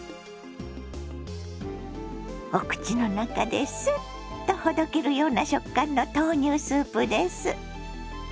お口の中ですっとほどけるような食感の豆乳スープです。